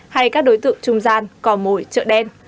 hay các đối tượng trung gian cò mồi chợ đen